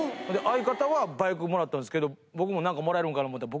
相方はバイクもらったんですけど僕も何かもらえるんか思うたら。